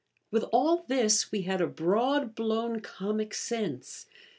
With all this we had a broad blown comic sense.